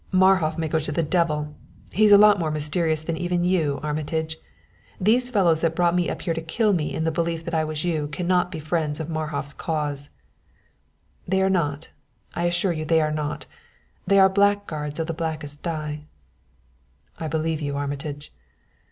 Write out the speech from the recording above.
"Marhof may go to the devil! He's a lot more mysterious than even you, Armitage. These fellows that brought me up here to kill me in the belief that I was you can not be friends of Marhof's cause." "They are not; I assure you they are not! They are blackguards of the blackest dye." "I believe you, Armitage."